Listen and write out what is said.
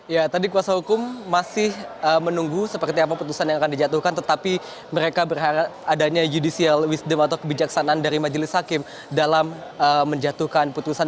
ya tadi kuasa hukum masih menunggu seperti apa putusan yang akan dijatuhkan tetapi mereka berharap adanya judicial wisdom atau kebijaksanaan dari majelis hakim dalam menjatuhkan putusan